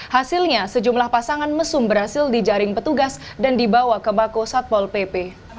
hasilnya sejumlah pasangan mesum berhasil dijaring petugas dan dibawa ke bako satpol pp